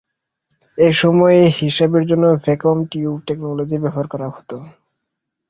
এ সময়ে হিসাবের জন্য ভ্যাকুয়াম টিউব টেকনোলজি ব্যবহার করা হতো।